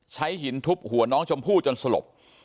หินทุบหัวน้องชมพู่จนสลบ